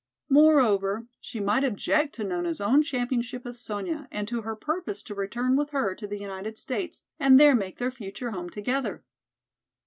Moreover, she might object to Nona's own championship of Sonya and to her purpose to return with her to the United States and there make their future home together.